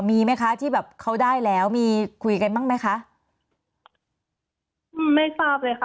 มีไหมคะที่แบบเขาได้แล้วมีคุยกันบ้างไหมคะไม่ทราบเลยค่ะ